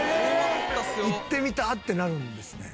「行ってみたい」ってなるんですね。